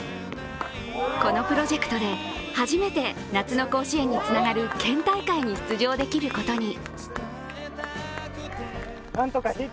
このプロジェクトで初めて夏の甲子園につながる県大会に出場できることに。